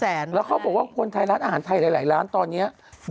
แล้วเขาบอกว่าคนไทยร้านอาหารไทยหลายร้านตอนนี้